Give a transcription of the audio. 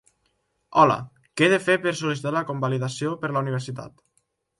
Hola, què he de fer per sol·licitar la convalidació per la universitat?